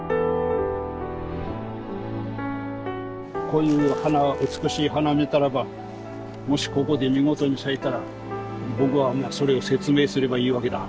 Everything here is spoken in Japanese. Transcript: こういう花美しい花見たらばもしここで見事に咲いたら僕はそれを説明すればいいわけだ。